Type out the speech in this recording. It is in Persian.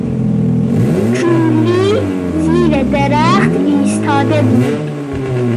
جولی زیر درخت ایستاده بود.